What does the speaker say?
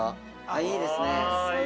ああ、いいですね。